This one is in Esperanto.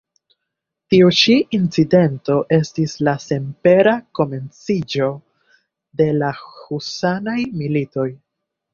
Tiu ĉi incidento estis la senpera komenciĝo de la husanaj militoj.